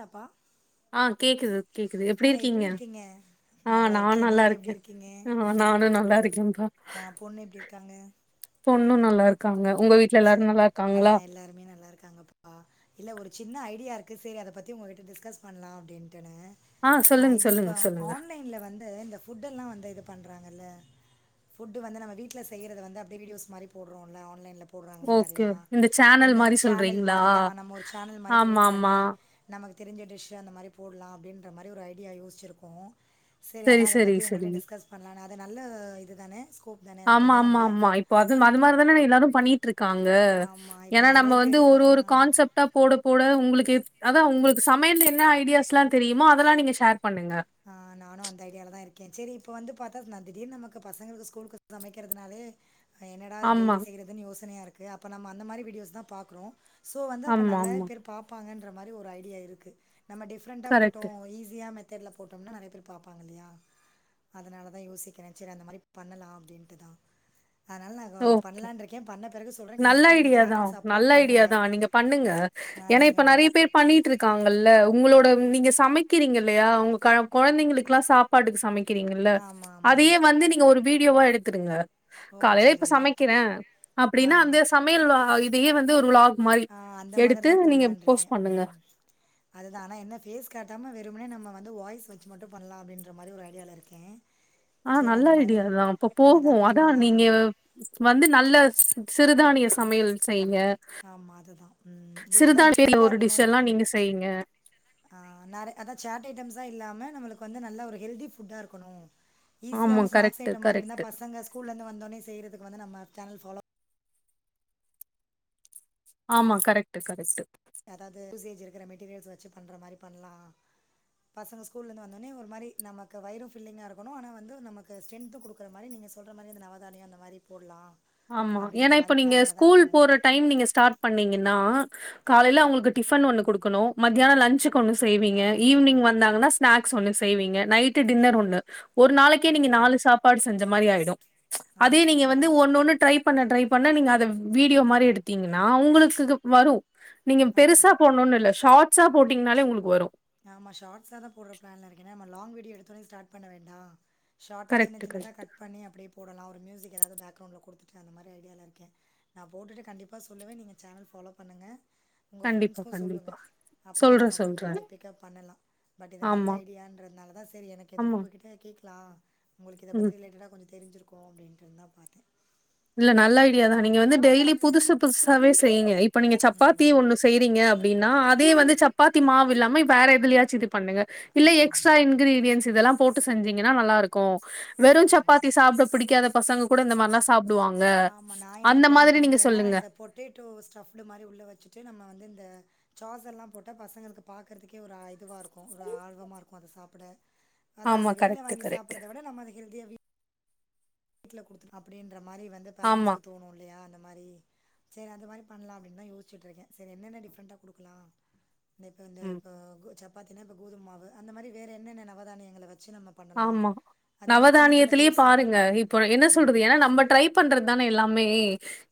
தப்பா ஆஹ் கேக்குது கேக்குது எப்டி இருக்கீங்க ஆஹ் நானும் இருக்கேன் நல்லா நீங்கள் இரு எக்ஸாம்கு ஆஹ் பொண்ணு எப்டி இருக்காங்க பொண்ணு நல்லா இருக்காங்க உங்க வீட்ல எல்லாரு நல்லா இருக்காங்களா ஆஹ் எல்லாருமே நல்லா இருக்காங்கப்பா இல்ல ஒரு சின்ன ஐடியா இருக்கு சேரி அத பத்தி உங்ககிட்ட டிஸ்கஸ் பண்ணலாம் அப்டின்னு தானா ஆ சொல்லுங்க இது சொல்லுங்க இப்ப சொல்லுங்க ஆன்லைன்ல வந்து இந்த ஃபுட் எல்லா வந்து இத பண்ணண்றாங்கல்ல ஃபுட் வந்து நம்ம வீட்டில் செய்றத வந்து அப்டிய வீடியோஸ் மாரி போடுறோம்ல ஆன்லைன்ல போடுறாங்களே ஓகே நெறையா இந்த சேனல் அந்த மாரி சேனல் சொல்றீங்களா மாதிரியாக நம்ம ஒரு சேனல் மாரி ஆமா க்ரியேட் ஆமா பண்ணி நமக்கு தெரிஞ்ச டிஷ் அந்த மாரி போடலாம் அப்டின்ற மாரி ஒரு ஐடியா யோசிச்சிருக்கோம் சேரி செரி அத்தான் அத செரி பத்தி உங்ககிட்ட செரி டிஸ்கஸ் பண்ணலாம் அது நல்ல இது தானே ஸ்கோப் தானே அது ஆமா ஆமா பண்லாம்ல? ஆமா இப்போ அது அது மாதிரி தானே எல்லாரும் பண்ணிட்டு இருக் இருக்காங்க ஆமா இப்ப ஏன்னா நெறைய நம்ம வந்து பேருக்கு ஒரு ஒரு ஆ. கான்செப்ட்டா போட போட உங்களுக்கு அதான் உங்களுக்கு சமையல என்ன ஐடியாஸ் எல்லா தெரியுமோ அதெல்லா நீங்க ஷேர் பண்ணுங்க ஆஹ் நானு அந்த ஐடியால தான் இருக்கே சேரி இப்ப வந்து பாத்தா நா திடீர்னு நமக்கு பசங்களுக்கு ஸ்கூலுக்கு சமைக்கிறதுனாலே என்னடா ஆமா டெய்லி செய்யறதுன்னு யோசனையா இருக்கு இருக்கு அப்ப நம் அந்த மாரி வீடியோஸ் தா பாக்குறோம் சோ வந்து அப்போ ஆமா நல்லா ஆமா பேர் பாப்பாங்க பண்றா மாரி ஒரு ஐடியா இருக்கு நம்ம டிஃப்ரெண்டா போட்டோ கரெக்ட் ஈஸிய தெர்ல பா போட்டம்னா நறைய பேர் பாப்பாங்க இல்லையா அதனால தா யோசிக்கறே சரி அந்த மாரி பண்ணலா அப்டின்ட்டு தா ஓ கே சொல்றே நல்ல கண்டிப்பா நீங்க ஐடியாதா சேனல் நல்ல சப்போர்ட் பண்ணுங்க. ஐடியாதா நீங்க பண்ணுங்க ஆ ஏனா நீங்க இப்ப உங் நறைய பேர் பண்ணிட்ருக்காங்கல்ல உங்களோட நீங்க சமைக்கிறீங்கல்லையா உங்க கா கொழந்தைங்களுக்குலா சாப்பாட்டுக்கு சமைக்க கிறீங்கல்ல ஆமா ஆமா. அதையே வந்து நீங்க ஒரு வீடியோவா எடுத்து த்துருங்க ஓ ச்சேரி சமைக்கிறே அப்டின்னா அந்த சமையல் லே வந்து ஒரு வ்லாக் ஆ அந்த மாதிரிதா போட்லான்ருக்கே பண்ணுங்க ம் அதுதா ஆனா என்ன ஃபேஸ் காட்டாம வெறுமனே நம்ம வந் வந்து வாய்ஸ் வச்சு மட்டு பண்லா அப்டின்ற மாரி ஒரு ஐடியால இருக்கே ஆனா நல்ல ஐடியா தா அப்ப போகு அதான் அதா பண்ணலாம் நீங்க வந்து நல்ல சிறுதானிய சமையல் செய் ஆமா அதுதா எதா சிறுதானிய டிபரண்ட்டா ஒரு இருக்கணு டிஷ் எல்லா நீங்க செய்யுங்க அதா [unintelligible] ன் இல்லாம நம்ளுக்கு வந்து நல்ல ஒரு ஹெல்தி ஃபுட்டாருக்கணு ஆமா ஈஸியாவு ஸ்நாக்ஸ் கரெக்ட் ஐட்ட மாரி இருந்தா கரெக்ட் பசங்க ஸ்கூல்லருந்து வந்தோனே செய்றதுக்கு வந்து நம்ம சேனல் ஃபாலோ ஆமா கரெக்ட்டு கரெக்ட்டு எதாது யூசேஜ் இருக்கற மெட்டீரியல்ஸ் வச்சு பண்ற மாரி பண்லா பசங்க ஸ்கூலேந்து வந்தோனே ஒரு மாரி நமக்கு வயரு ஃபில்லிங்கா இருக்கணு ஆனா வந்து நமக்கு ஸ்ட்ரன்த்தும் குடுக்குற மாரி நீ சொல்ற மாரி அந்த நவதானியோ அந்த மாரி போடலா ஆமா ஏனா இப்ப நீங்க ஸ்கூல் போற டைம் நீங்க ஸ்டார்ட் பண்ணீங்கனா காலைல அவங்களுக்கு டிஃபன் ஒண்ணு குடுக்கணு மதியானோ லன்சு ஒன்னு செய்வீங்க ஆமாம் ஈவினிங் வந்தாங்னா ஸ்நாக்ஸ் ஒண்ணு செய்வீங்க நைட் டின்னர் ஒண்ணு ஒரு நாளைக்கே நீங்க ஆமாம் நாலு சாப்பாடு செஞ்ச இந்த மாரி ஆயிடு அதே ஆமாம் நீங்க அப்படி வந்து தான் ஒன்னொண்ணு பண்ண ட்ரை பண்ணா நீங்க அத வீடியோ மாரி எடுத்தீங்னா உங்களுக்கு [unintelligible] வரு நீங்க பெருசா ஆமாம் போணுனு இல்ல ஷார்ட் ட்ஸா போட்டீங்னாலே உங்களுக்கு வரு நம்ம ஷார்ட்ஸ் தா போடுற பிளான்ல இருக்கே லாங் வீடியோ எடுத்தோனே ஸ்டார்ட் பண்ண வேண்டா ஷார்டா சின்ன கரெக்ட் சின்னதாக கரெக்ட். கட் பண்ணி அப்டியே போடலா ஒரு மியூசிக் எதாது பேக்ரௌண்ட் குடுத்துட்டு அந்த மாரி ஐடியால இருக்கே நா போட்டுட்டு கண்டிப்பா சொல்லுவே நீங்க சேனல் ஃபாலோ பண்ணுங்க உங்க கண்டிப்பா ஃபிரெண்ட்ஸ்கு சொல்லுங்க கண்டிப்பா. அப்பதா சொல்றே நம்ம கொஞ்சோ சொல்றே. இது கப் பண்ணலா பட் இது நல்ல ஆமா ஐடியான்றதுனால தா சரி எனக்கு எதுக்கு ஆமா. உங்ககிட்ட கே லா உங்குளுக்கு இத ம். பத்தி ரிலேட்டடா கொஞ்ச தெஞ்சிருக் [inaudible] அப்டின்ட் இருந் தா பாத்தே இல்ல நல்ல ஐடியாதா நீங்க வந்து டெய்லி புதுசு புதுசாவே செய்யுங்க இப் இப்ப நீங்க சப்பாத்தி ம். ஒண்ணு செய்றீங்க அப்புடின்னா அதே வந்து சப்பாத்தி மாவு இல்லாமயு வேற எதுலியாச்சு இதுப் பண்ணுங்க இல்ல எக்ஸ்ட்ரா ஆமாமா. இன்கிரீடியன்ஸ் இதெல்லாம் போட்டு செஞ்சீங்கன்னா நல்லா இருக்கும் வெறும் ஆ. சப்பாத்தி சாப்ட புடிக்காதப் பசங்க கூட மாரிலா சாப் ஆமா நா என்ன ப்ளான் பண்ணியிருக்கேன்னா சொல்லுங்க இந்த பொட்டேட்டோ ஸ்டஃப்டு மாரி உள்ள வச்சுட்டு நம்ம வந்து இந்த சாஸல்லா போட்டா பசங்களுக்கு பாக்குறதுக்கே ஒரு ஆ இதுவா இருக்கு ஒரு ஆர்வமா இரு க் அத சாப்புட அதா ஆமா வெளில கரெக்ட் வாங்கி கரெக்ட் சாப்புர்றத விட நம்ம அத ஹெல்த்தியா வீ வீட்ல குடுத் அப்டேன் ற மாரி வந்து ஆமா பேரென்ஸ்க்கு தோணு இல்லையா அந் த மாரி சேரி அந்த மாரி பண்லா அப்டின்தா யோஷ்ட்டு இருக்க செரி என்னென்ன டிஃப்ரெண்ட்டா குடுக்கலா நேத்து அந்த ம். ப க சப் பாத்தினா இப்ப கோதும்மாவு அந்த மாரி வேற என்னென்ன நவதானியங்கள வச் ச்சி நம்ம பண்ணலா ஆமா அதே மாரி சின்னச் சின்ன தோச ப என்ன சொல்றது ம். ஏன்னா நம்ம ட்ரை பண்றது தானே எல்லாமே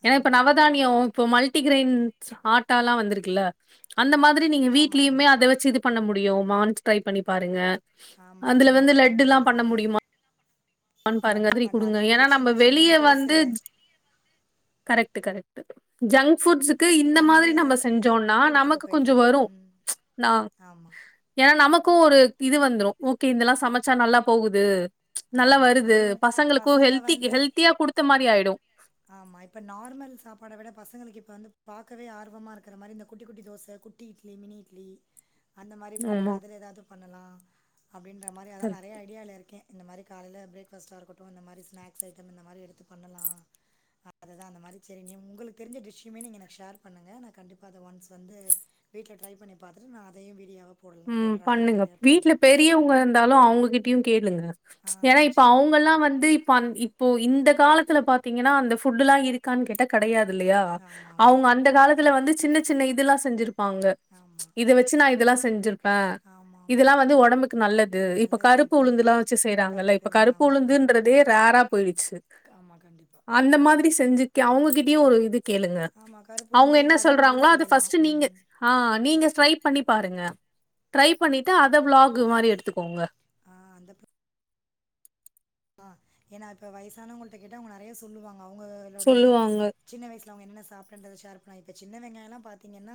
ஏன்னா இப்ப ஆமா. நவதானியோ போ மல்ட்டிகிரைன்ஸ் ஆட்டாலா வந்துருக்குல்ல அந்த மாத்ரி நீங்க ஆமா, வீட்லியுமே ஆமா. அத வெச்சு இது பண்ண முடியு மான்ஸ் ட்ரை பண்ணி பாருங்க ஆமா அந்த மாதுர் தா டுல்லா பண்ண முடிய்மா பாருங்க லட்டு கதிரி பண்ணலாம் குடுங்க அதே ஏன்னா மாரி நம்ம சின்ன சின்ன வெளிய தோச வந்து கரெக்ட் டு கரெக்ட்டு ஜங்க் ஃபுட்ஸுக்கு அதுக்கு இந்த வந்து மாதுரி நம்ம செஞ்சோம்னா குடுத்துட்டு நமக்கு கொஞ்ச போயிடலாம் வரு ம் நா ஆமா ஏன்னா நமக் கு ஒரு இது வந்ரு ஓகே இதல்லா சமச்சா நல்லா போகுது நல்லா ஆமா வருது அதுவும் பசங்களுக்கு பசங்க ஹெல்தி வந்து ஹெல்த்தியா குடுத்த மாரி ஆயிடு ஆமா இப்ப நார்மல் சாப்பாட விட பசங்கள்க்கு இப்ப வந்து பாக்கவே ஆர்வமா இருக்குற மாரி இந்த குட்டி குட்டி தோச குட்டி இட்லி மினி இட்லி அந்த மாரி போட்டு ஆமா அதுல எதாது பண்ணலா அப்டின்ற மாரி கரெக்ட். நெறய ஐடியால இருக்கே இந்த மாரி காலைல ப்ரேக் ஃபாஸ்ட்டா இருக்கட்டு இந்த மாரி ஸ்நாக்ஸ் ஐட்டம் இந்த மாரி எடுத்து பண்ணலா அததா அந்த மாரி சேரி நீ உங்களுக்கு தெரிஞ்ச டிஷ்ஷுமே நீங்க எனக்கு ஷேர் பண்ணுங்க நா கண்டிப்பா அத ஒன்ஸ் வந்து வீட்ல ட்ரை பண்ணி பாத்துட்டு நா அதையு வீடியோவா போடலாம் ம் போடுற மாரி பண்ணுங்க ஐடியா வீட்ல பண்றேன். பெரியவுங்க இருந்தாலு அவுங்கக்கிட் டியு கேளுங்க ஆ ஏன்னா இப்ப சரி. அவுங்கல்லா வந்து இப்போ அந் இப்போ இந்த காலத்துல பாத் திங்கன்னா அந்த ஃபுட்டுல்லா இருக்கான் கேட்டா கடையா தில்லையா ஆமாமா. அவ்ங்க அந்த காலத்துல வந்து சின்னச் சின்ன இதுல்லா செஞ்சிரு ப்பாங்க ஆமா. இத வச்சி நா இதெல்லா செஞ்சிரு ஆ ஆமாமா. இதெல்லா வந்து ஒடம்புக்கு நல்லது இப்ப கருப்பு உளுந்துல்லா வச்சி செய்றாங்கல்ல இப்ப உளுந்து கருப்பு ஆமா உளுந்துன்றதே ரே ரா போய்டுச் ஆமா கண்டிப்பா அந்த மாதிரி செஞ்சுக்கே அவ்ங்கக்கிட் டியு ஒரு இது கேளுங்க ஆமா கருப்பு அவ்ங்க உளுந்துலயே என்னா வட மாரி சொல்றாங்களோ அத செய்யலா ஃபஸ்ட்டு நீங்க ம் ஆ நீங்க ட்ரை பண்ணி பாருங்க ட்ரை பண்ணிட்டு அத வ்ளாக் மாரி எடுத்துக்கோங்க ஆ அந்த ப ஆ ஏன்னா இப்ப வைசானவங்கள்ட்ட கேட்டா அவ்ங்க நறையா சொல்லுவாங் சொல்லுவாங்க அவ்ங்க என்னென்ன சாப்ட்டன்றத ஷேர் பண்ணு இப்ப சின்ன வெங்காயல்லா பாத்தீங்கன்னா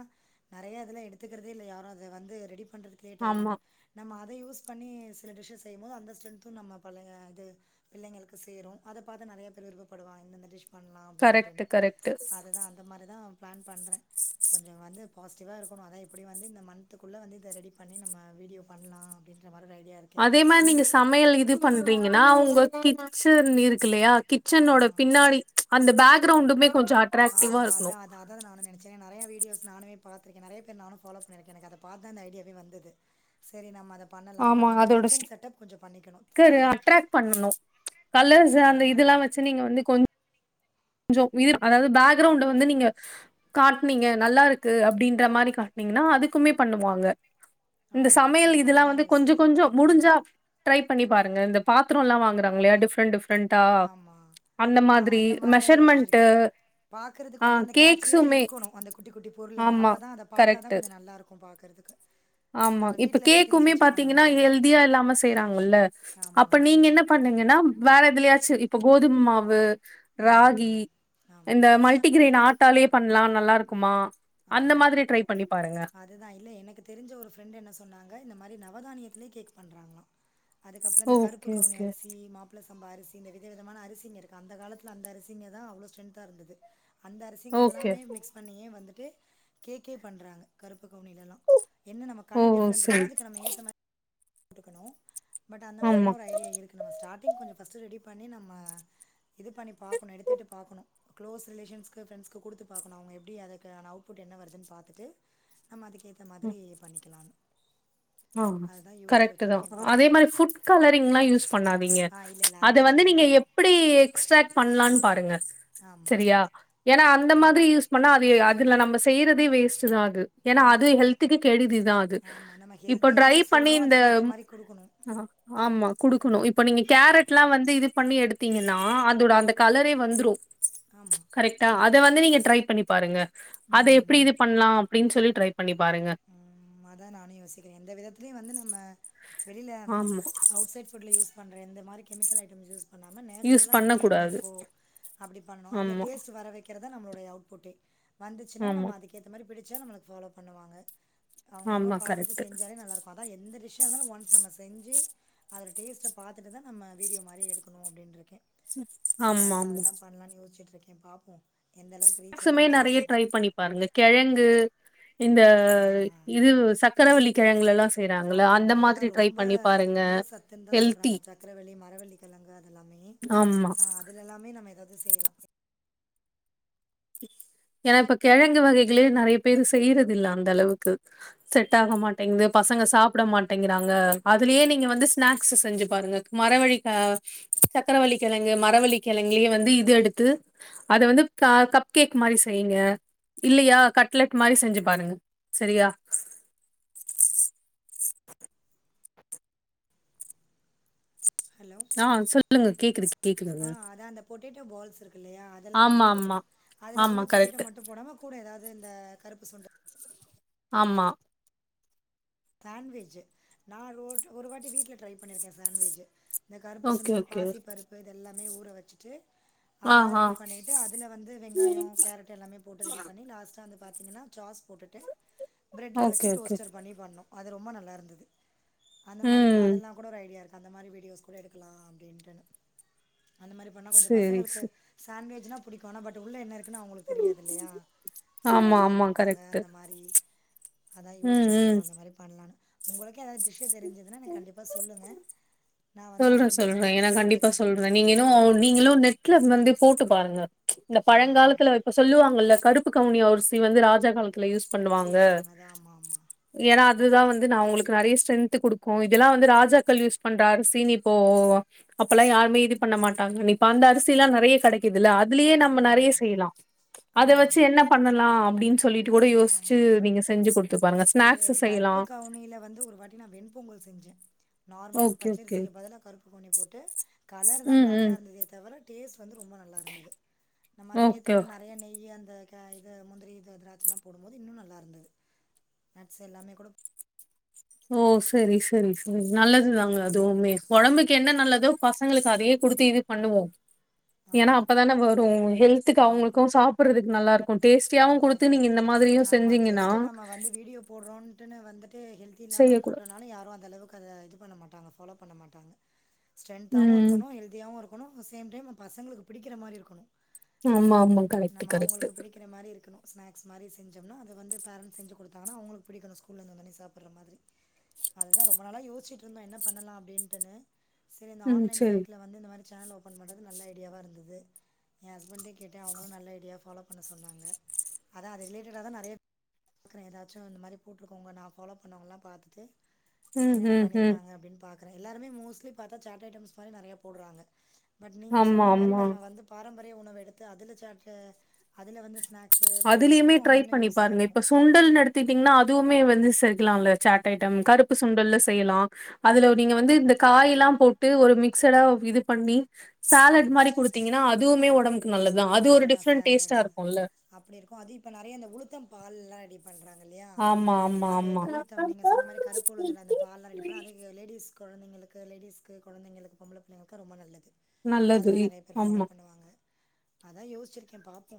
நறைய இதுல எடுத்துக்குறதே இல்ல யாரு அத வந்து ரெடிப் பண்றதுக்கு லேட்டாகுன்னு ஆமா நம்ம அ த யூஸ் பண்ணி சில டிஷ்ஷ செய்யம் போது அந்த ஸ்ட்ரென்த்து நம்ம பழைய து பிள்ளைங்களுக்கு செய்றோ அத பாத்து நறையா பேர் விருப்பப்படுவா இந்த மாரி டிஷ் பண்லா அப்டின்ட்டு கரெக்ட் கரெக்ட் அததா அந்த மாரிதா ப்ளான் பண்ற கொஞ்சொ வந்து பாஸ்டிவ்வா இருக்கணு அதா எப்டியு வந்து இந்த மன்த்துக்குள்ள வந்து இத ரெடி பண்ணி நம்ம வீடியோ பண்லா அப்டின் அதே மாரி நீங்க சமையல் இது பண்றீங்கன்னா உங்க கிச்சன் இருக்குல்லயா கிச்சனோட ஆமாம் பின்னாடி அந்த பேக் க்ரௌண்டுமே ஆ அதான் அதான் அத்தா நானும் நெனச்சேன் நிறைய வீடியோஸ் நானும்மே பார்த்திருக்கேன் நிறைய பேர் நானும் பாலோ பண்ணிருக்கேன் எனக்கு அதை பார்த்தாலே அந்த ஐடியாவே வந்தது சேரி நம்ம அத பண்ணலாம் பட் நம்ம கிச்சன் செட் அப் கொஞ்சம் பண்ணிக்கணும் அட்ராக் பண்ணணும் கலர்ஸ் அந்த அதா அதா இதெல்லாம் வச்சு நீங்க வந்து கொஞ் கொஞ்சம் இது அதாவது பேக்ரவுண்ட வந்து நீங்க காட்டினீங்க நல்லா இருக்கு அப்படின்ற மாதிரி காட்டுனீங்கன்னா அதுக்குமே பண்ணுவாங்க இந்த ஆமா சமையல் அப்டிதா இதெல்லாம் அதுதா வந்து கொஞ்ச யோசிக்கிறே கொஞ்ச முடிஞ்சா ட்ரை பண்ணி பாருங்க இந்த பாத்திரம் எல்லாம் வாங்கறாங்களே டிப்ரெண்ட டிப்ர ஆமா டிப்ரெண்டாஅந்த ஆ மாதிரி அந்த மாரிதா மெசர்மென்ட் யோசிச்சிருக்கே பாக்குறதுக்கு வந்து அந்த கேட்சியா கேக்ஸ்ஸூமே இருக்கணு அந்த குட்டி குட்டி பொருளுங்க ஆமா அப்பதா அத பாத்தாதா கரெக்டு கொஞ்சோ நல்லாருக்கு பாக்குறதுக்கு ஆமா நம்ம இப்ப வீட்ல இருக்க திங்ஸ் கேக்‌குமே வச்சு பண்ண பாத்தீங்கனா முடியாது ஹெல்தியா‌ இல்லாம செய்யராங்கல்லே ஆமா அப்ப‌ நீங்க என்ன பண்ணணும்னா வேற எதுலயாச்சு இப்போ கோதுமை மாவு ம் ராகி ம் ஆமா இந்த மல்டிகிரென் ஆட்டாலயே பண்ணலாம் நல்லா இருக்குமா அந்த ஆமா மாதிரி ட்ரை பண்ணி பாருங்க அதுதான் இல்ல எனக்கு தெரிஞ்ச ஒரு ஃப்ரெண்ட் என்ன சொன்னாங்க இந்த மாதிரி நவதானிய இதுலே கேக் பண்றாங்களாம் அதுக்கப்பறம் இந்த கருப்பு ஓகே கவுனி ஓகே அரிசி மாப்பிள சம்பா அரிசி இந்த வித விதமான அரிசிங்க அந்த காலத்துல அந்த அரிசிங்க தான் அவ்வளோ ஸ்ட்ரென்தா இருந்தது அந்த அரிசிங்க ஓகே எல்லாமே மிக்ஸ் பண்ணியே வந்து கேக்கே பண்றாங்க கருப் கவுனில எல்லா என்ன நம்ம ஓ கலர் டிஃப்ரெண்ட் சரி இருக்கும் அதுக்கு நம்ம ஏத்த மாரி போட்டுக்கணும் பட் அந்த ஆமா மாரிலாம் ஒரு ஐடியா இருக்கு நம்ம ஸ்டார்டிங் கொஞ்சம் பஸ்ட் ரெடி பண்ணி நம்ம இது பண்ணி பாக்கணும் எடுத்துட்டு பாக்கணும் க்ளோஸ் ரிலேஷன்க்கு ஃப்ரெண்ட்ஸ்க்கு கொடுத்து பாக்கணும் அவங்க எப்படி அதுக்கு அவுட்புட் என்ன வருதுன்னு பாத்துட்டு நம்ம அதுக்கேத்த மாதிரி பண்ணிக்கலாம்னு ஆ கரெக்ட் அதே பாப்போ மாரி ஃபுட் கலரிங்கெல்லாம் யூஸ் பண்ணாதீங்க ஆ இல்ல இல்ல அந்த அது வந்து ஐடியா நீங்க இல்ல எப்படி பண்லாம்னு பாருங்க ஆமா செரியா ஏன்னா அந்த மாதிரி யூஸ் பண்ணா அது அதுல நம்ம செய்யறதே வேஸ்ட் ஏன்னா ஆமா அது ஹெல்த்துக்கு கெடிதிதான் அது ஆமா நம்ம ட்ரை ஹெல்தின்ற பண்ணி சொல்றோ இந்த அதுக்கேத்த மாரி குடுக்கணு ஆமா குடுக் குனோ இப்ப நீங்க கேரட்டெல்லாம் வந்து இது பண்ணி எடுத்தீங்கன்னா அதோட அந்த கலரே வந்தும்ரூ ஆமா கரெக்ட்டா இத வந்து நீங்க ட்ரைப் பண்ணி பாருங்க அத எப்டி ம் இது பண்ணலா அப்டின் சொல்லி ட்ரை பண்ணி பாருங்க ம் அதா நானு யோசிக்கே எந்த விதத்லியு வந்து நம்ம வெளில ஆமா அவுட் சைட் ஃபுட்ல யூஸ்ப் பண்ற இந்த மாறி கெமிக்கல் ஐட்டம்ஸ் யூஸ் பண்ணாம யூஸ் நேச்சுரலா பண்ண வீட்ல என்ன கூடாது இருக்கோ அப்டி பண்ணோ அத்ல ஆமா டேஸ்ட் வர வெக்கிறத நம்ப்ளோ பழய அவுட் ஃபுட்டு வந்துச்சுனா ஆமா நம்ம அதுக்கேத்த மாறி பேய்டு ச்சா நம்மளுக் ஃபாலோ பண்ணுவாங்க அவ்ங்கவ்ங்க ஆமா பாத்துட்டு கரெக்ட் செஞ்சாலே நல்லா ருக்கு அதா எந்த டிஷ்ஷா இர்ந்தாலு ஒன்ஸ் நம்ம செ செஞ்சி அதோடேஸ்ட்ட பாத்துட்டு தா நம்ம வீடியோ மாறி எடுக்குணூ அப்டின் ருக்கே ஆம்மா ஆமா எம் பாப்போ எந்த அளவுக்கு ரீச் ஸ்நாக்ஸுமே நெறய ஆகுதுன்ட்டுன்னு. ட்ரை பண்ணி பாருங்க கெழங்கு இந்த ஆ ஆ. இதுவு சக்கரவள்ளி கெழங்கலல்லா ஆமா ஆமா அதல்லா ரொம்ப ரொம்ப சத்துன் தா ஹெல்தி சொல்றாங்க சக்கரவள்ளி மரவள்ளி கெழங்கு அதல்லாமே ஆமா ஆ அதுல எல்லாமே நம்ம ஏதாது செய்லா ஏனா இப்ப கெழங்கு வகைகளே நெறய பேரு செய்றது இல்ல அந்த அளவுக்கு செட் ஆக மாட்டேங்து பசங்க சாப்புட மாட்டேங்றாங்க அதுலயே நீங்க வந்து ஸ்நாக்ஸ் செஞ்சி பாருங்க மரவழி கா சக்கரவள்ளி கெழங்கு மரவள்ளி கெழங்லயே வந்து இது எடுத்து அத வந்து காக் கேக் மாறி செய்ங்க இல்லயா கட்லெட் மாரி செஞ்சு பாருங்க செரியா ஹலோ! ஆ சொல்லுங்க கேக்குது கேக்குதுங்க டேட்டோ பால்ஸ்ருக் இல்லயா அதெல்லா வந்து ஆமா ஆமா குடுக்கலா அதுல உள்ள ஆமா பொட்டேட்டோ கரெக்ட் மட்டு போடாம கூட ஏதாது இந்த கருப்பு சுண்ட ஆமா சாண்விட்ஜு நா ரோட்ல ஒரு வாட்டி வீட்ல ட்ரை பண்ணிருக்கே சாண்விட்ஜ்ஜி இந்த கருப்பு ஓகே சுண்டல் ஓகே பாசிப் பருப்பு இதல்லா மே ஊற வெச்சுட்டு ஆ அதல்லா ஆ ரெடி பண்ணிட்டு அதுல வந்து வெங்காயோ கேரட் எல்லாமே போட்டு ரெடி பண்ணி லாஸ்ட்டா அந்த ப எங்கனா ஜாஸ் போட்டுட்டு ப்ரெட்ல வச்சி ஓகே ஓகே டோஸ்ட்டர் பண்ணி பண்ணோ அது ரொம்ப நல்லா இருந்தது அந்த மாதிரி கூட ம் அதெல்லாம் கூட ஒரு ஐடியா இருக்கு அந்த மாதிரி வீடியோஸ் கூட எடுக்கலாம் அப்படின்ட்டு அந்த மாரி பண்ணா கொஞ்சோ சேரி பங்களுக்கு சே சாண்ட்விச் என்ன புடிக்குனா பட் உள்ள என்ன இருக்கு அவங்களுக்கு தெரியாதுல்லயா சோ அவங்க ஆமா ஆமா சாப்டுப்பாங்க கரெக்ட் அந்த மாதிரி அதான் ம் யோசிச்ட்டு ம் இருக்கோ அந்த மாதிரி உங்களுக்கே அதாவ விஷய தெரிஞ்சதுன்னா எனக்கு கண்டிப்பாக சொல்லுங்க சொல்றேன் சொல்றேன் ஏன்னா கண்டிப்பா எடுத்துக்கிறேன் சொல்றேன் நீங்க நீங்களு நெட்ல வந்து கூட்டு பாருங்க இந்த ஆ பழங்காலத்துல இப்ப சொல்லுவாங்கல்ல கருப்பு கவுனி அவசி வந்து ராஜாகால யூஸ் பண்ணுவாங்க யூஸ் பண்ணது ஆமாம் ஆமாம் ஏன்னா அதுதான் வந்து நான் உங்களுக்கு நிறைய ஸ்ட்டென்த் குடுக்கு இதெல்லா வந்து ராஜாக்கள் யூஸ் பண்ற அரிசி ப்போ அப்பெல்லாம் யாருமே இது பண்ண மாட்டாங்க இப்ப அந்த அரிசில்லாம் நிறைய கிடைக்குது அதுலயே நம்ம நிறைய ஆமாம் செய்யலாம் அத ஆமாம் வச்சு ஆமாம் என்ன பண்ணலாம் அப்படின்னு சொல்லிட்டு கூட யோசிச்சு ஆமாம் நீங்க செஞ்சு கொடுத்து பாருங்க இது ஸ்நாக்ஸ் கருப்பு செய்யலாம் கவுனியில் வந்து ஒரு வாட்டி நான் வெண்பொங்கல் செஞ்சேன் நார்மல் நம் பச்சரிக்கு பதிலாக கருப்பு கௌனி போட்டு ட்டு கலர் தான் ம் பிளாக்கா ம் இருந்ததே தவிர டேஸ்ட் வந்து ரொம்ப நல்லா இருந்தது நம்ம அதுக்கேத்த ஓகே மாதிரி நிறைய நெய் அந்த இது முந்திரி இது திராச்சலாம் போடும்போது இன்னும் நல்லா இருந்தது நட்ஸ் எல்லாமே கூட ஓ சரி சரி சரி நல்லது தாங்க போட்டுதான் இருக்கேன் அதுவுமே உடம்புக்கு என்ன நல்லது பசங்களுக்கு அதையே கொடுத்து இது பண்ணுவோ ஏன்னா ஆமாம் அப்பதானே வரும் ஹெல்த்துக்கு ஆமாம் அவங்களுக்கு சாப்பிடுறதுக் நல்லா இருக்கு டேஸ்டியாவும் அதாவது குடுத்து நீங்க இந்த மாதிரியும் ஆமாம் செஞ்சீங்கன்னா ஜஸ்ட்டு ஹெல்தி இல்லாம செய்யக்கூடா போட்டனாலும் யாரும் அந்த அளவுக்கு அதை இது பண்ண மாட்டாங்க ஃபாலோ பண்ண மாட்டாங்க ஸ்ட்ரன்தாவு ம் இருக்கனு ஹெல்தியாவும் இருக் சேம் டைம் பசங்களுக்கு புடிக்கற மாரி இருக்கணும் ஆமா ஆமா கரெக்ட் நம்ம கரெக்ட் அவங்களுக்கு பிடிக்கிற மாரி ஸ்நாக்ஸ் மாதிரி செஞ்சம்னா அத வந்து பாரெண்ட்ஸ் செஞ்சு குடுத்தாங்கன்னா அவங்களுக்கு புடிக்கு அத ஸ்கூல்ல இருந்து வந்து சாப்புட்ரா மாதிரி அதுதான் ரொம்ப நாளா யோசிச்சிட்டு இருந்தோ என்ன பண்ணலா அப்பிடுன்டுனு சரி இந்த ம் ஆன்லைன் சரி சைட்ல வந்து இந்த மாதிரி சேனல் ஓப்பன் பண்றது நல்ல ஐடியாவா இருந்தது எ ஹஸ்பண்டே கேட்டே அவ்ங்களு நல்ல ஐடியா ஃபாலோப் பண்ண சொன்னாங்க அதா அது ரிலேட்டடா தா நெறைய பாக்றே எதாச்சு இந்த மாரி போட்டுருக்கவ்ங்க நா ஃபாலோ பண்ணவ்ங்கல்லா பாத்துட்டு ம் என்னென்ன ம் ம் பண்ணிருக்காங்க அப்டின் பாக் ற எல்லாருமே மோஸ்ட்லி பாத்தா சாட் ஐட்டம்ஸ் மாரி நெறையா போட்றாங்க பட் நீங்க ஆமா சொன்ன மாரி ஆமா நம்ம வந்து பாரம் பரிய உணவு எடுத்து அதுல சாட்டு அதுல வந்து ஸ்நாக் அதுலயுமே ட்ரை பண்ணி பாருங்க இப்ப ஃபுல் மீல்னு எடுத்திட்டீங்னா அதுவுமே வந்து சேக்கலால சாட் ஐட்டம் கருப்பு சுண்டல்லஸ் டெய்யலா அதுல ஆமா நீங்க வந்து இந்தக் காய்லா போட்டு ஒரு மிக்சடா இது பண்ணி சாலட் ஆமா மாரி குடுத்தீங்கனா அதுவுமே ஒடம்புக்கு நல்லதுதா அது ஒரு டிஃப்ரெண்ட் டேஸ்டா இருக்குல்ல அப்டி இருக்கு அது இப்ப நெறைய இந்த உளுத்தம் பால்லா டிப் பண்றாங்க இல்லயா ஆமா ஆமா அது ஆமா அந்த உளுத்தம் நீங்க சொன்ன மாரி கருப்பு உளுந்துல அந்த பால்லா ரெடி பண்ணி அது இங்கெ லேடிஸ் கொழந்தைங்களுக்கு லேடிஸ்க்கு கொழந்தைங்களுக்கு பொம்பள பிள்ளைங்களுக்கு ரொம்ப நல்லது நல்லது அதெல்லா நெறைய பேர் ஃபாலோ ஆமா பண்ணுவாங்க அதா யோஸ்ச்சிருக்கே பாப்போ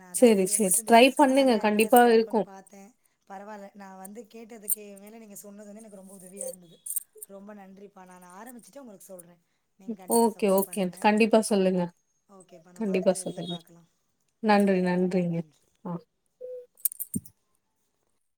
நா தா சேரி உங்கள்ட்ட ட்ரை டிஸ்கஸ் பண்ணா பண்ணுங்க நெறையா ஐடியாஸ் கண்டிப்பா கெடைக்குன் இருக்கு பாத்தே பரவால்ல நா வந்து கேட்டதுக் கே மேல நீங்க சொன்னது வந்து எனக் ரொம்ப உதவியா இருந்தது ரொம்ப நன்றிப்பா நானு ஆரம்மிச்சுட்டு ஒங்களுக்கு சொல்றே ஓகே ஓகே கண்டிப்பா சொல்லுங்க ஓகேப்பா நம்ம கண்டிப்பா அடுத்த இதுல சொல்லுங்க பாக்கலா நன்றி நன்றிப்பா நன்றிங்க நன்றி ஆ